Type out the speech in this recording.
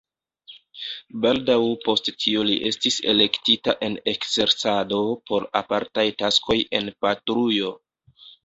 Baldaŭ post tio li estis elektita en ekzercado por apartaj taskoj en patrujo.